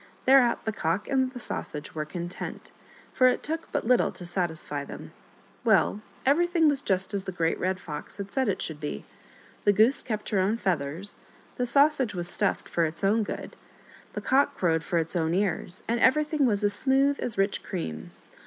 Thereat the Cock and the Sausage were content, for it took but little to satisfy them. Well, everything was just as the Great Red Fox had said it should be : the Goose kept her own feathers, the Sausage was stuffed for its own good, the Cock crowed for its own ears, and everything was as smooth as rich cream.